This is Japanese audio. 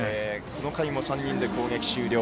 この回も３回で攻撃終了。